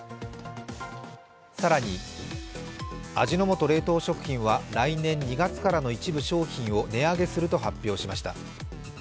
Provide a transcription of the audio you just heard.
更に、味の素冷凍食品は来年２月からの一部商品を値上げすると発表しました。